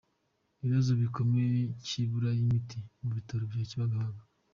Ikibazo gikomeye cy’ibura ry’imiti mu bitaro bya Kibagaga